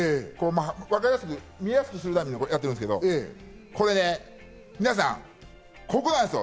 わかりやすく、見やすくするためやってますけど、皆さん、ここなんですよ。